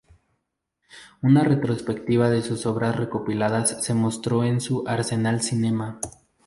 Una retrospectiva de sus obras recopiladas se mostró en su Arsenal Cinema.